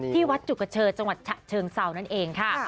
ที่วัดจุกเชอจังหวัดฉะเชิงเซานั่นเองค่ะ